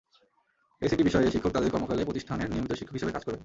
এসিটি বিষয় শিক্ষক তাঁদের কর্মকালে প্রতিষ্ঠানের নিয়মিত শিক্ষক হিসেবে কাজ করবেন।